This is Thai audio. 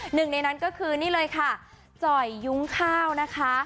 หนึ่งในนั้นก็คือนี่เลยค่ะจ่อยยุ้งข้าวนะคะ